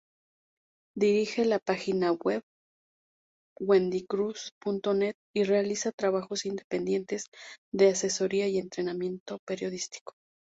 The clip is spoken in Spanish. Dirige la página web wendycruz.net y realiza trabajos independientes de asesoría y entrenamiento periodístico.